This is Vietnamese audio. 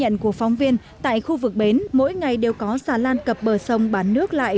nhận của phóng viên tại khu vực bến mỗi ngày đều có xà lan cập bờ sông bán nước lại